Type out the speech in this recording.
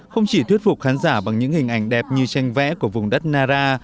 không chỉ thuyết phục khán giả bằng những hình ảnh đẹp như tranh vẽ của vùng đất nara